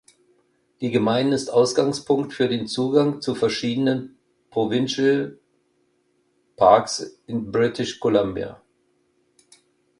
Die Gemeinde ist Ausgangspunkt für den Zugang zu verschiedenen Provincial Parks in British Columbia.